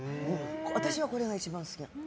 私はこれが一番好き。